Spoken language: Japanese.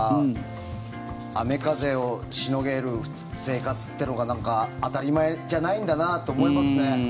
雨、風をしのげる生活っていうのが当たり前じゃないんだなと思いますね。